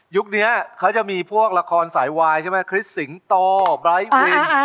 ยุคนี้เค้าจะมีพวกรภาพสายวายคริสต์สิงตอบไบท์วิน